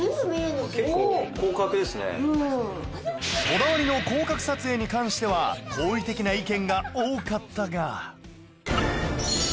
こだわりの広角撮影に関しては好意的な意見が多かったが